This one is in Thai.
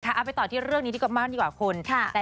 เอาไปต่อที่เรื่องนี้ดีกว่ามากดีกว่าคุณ